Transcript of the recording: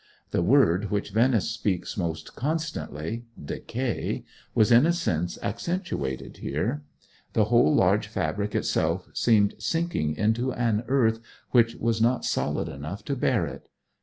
The word which Venice speaks most constantly decay was in a sense accentuated here. The whole large fabric itself seemed sinking into an earth which was not solid enough to bear it.